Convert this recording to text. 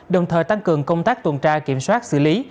đồng thời tăng cường công tác tuần tra kiểm soát xử lý